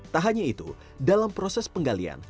tak hanya itu dalam proses penggalian